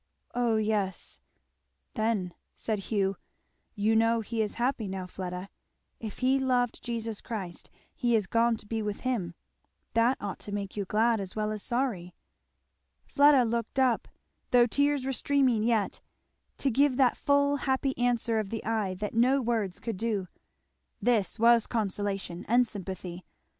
"Oh yes!" "Then," said Hugh, "you know he is happy now, Fleda. If he loved Jesus Christ he is gone to be with him. That ought to make you glad as well as sorry." Fleda looked up, though tears were streaming yet, to give that full happy answer of the eye that no words could do. This was consolation and sympathy.